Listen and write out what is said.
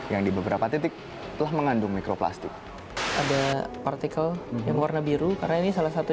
yang di beberapa titik telah mengandung mikroplastik ada partikel yang warna biru karena ini salah satu